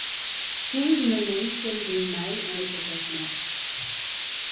Tûzenen minsken diene mei oan de protestmars.